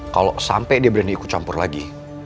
kalo sampe dia berani ikut campur lagi